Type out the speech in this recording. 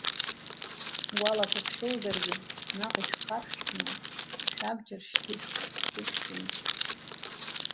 Гәалақәак шәоузаргьы, наҟ ишәхаршҭны, шәабџьар шьҭышәх, сыҷкәынцәа.